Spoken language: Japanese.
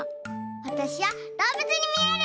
わたしはどうぶつにみえる！